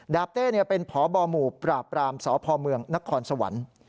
เต้เป็นพบหมู่ปราบปรามสพเมืองนครสวรรค์